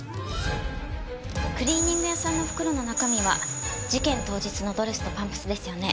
クリーニング屋さんの袋の中身は事件当日のドレスとパンプスですよね？